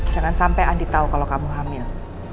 jangan sampai andi tahu kalau kamu hamil